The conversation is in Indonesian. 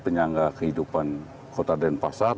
penganggah kehidupan kota denpasar